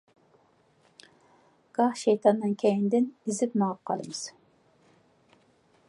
گاھ شەيتاننىڭ كەينىدىن، ئېزىپ مېڭىپ قالىمىز.